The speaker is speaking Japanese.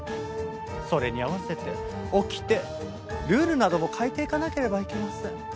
それに合わせて掟ルールなども変えていかなければいけません。